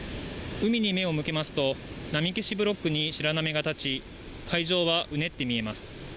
海に目を向けますと、波消しブロックに白波が立ち、海上はうねって見えます。